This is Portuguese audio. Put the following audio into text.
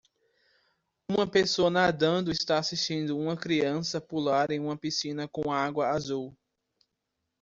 Uma pessoa nadando está assistindo uma criança pular em uma piscina com água azul.